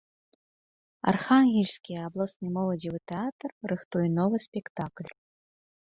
Архангельскі абласны моладзевы тэатр рыхтуе новы спектакль.